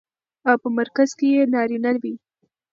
او په مرکز کې يې نارينه وي.